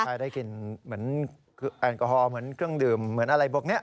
ใช่ได้กินเหมือนแอลกอฮอล์เหมือนเครื่องดื่มเหมือนอะไรพวกนี้